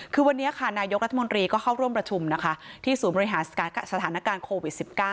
คือวันนี้ค่ะนายกรัฐมนตรีก็เข้าร่วมประชุมนะคะที่ศูนย์บริหารสถานการณ์โควิด๑๙